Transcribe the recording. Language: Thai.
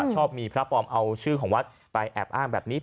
ชอบมีพระปลอมเอาชื่อของวัดไปแอบอ้างแบบนี้